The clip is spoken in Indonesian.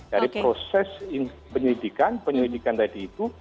dari proses penyidikan penyelidikan tadi itu